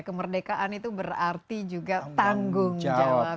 kemerdekaan itu berarti juga tanggung jawab